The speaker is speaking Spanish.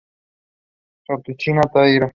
Satoshi Taira